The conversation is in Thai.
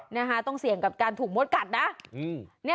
นะคะต้องเสี่ยงกับการถูกมดกัดนะ